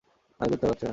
আয়, কু্ত্তার বাচ্চারা!